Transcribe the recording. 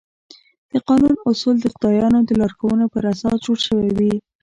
د قانون اصول د خدایانو د لارښوونو پر اساس جوړ شوي وو.